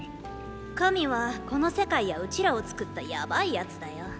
神はこの世界やうちらをつくったやばい奴だよ。